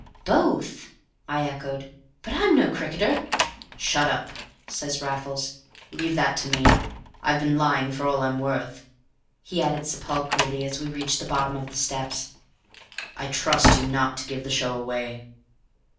"Both!" I echoed. "But I'm no cricketer!" "Shut up," says Raffles. "Leave that to me. I've been lying for all I'm worth," he added sepulchrally as we reached the bottom of the steps. "I trust to you not to give the show away."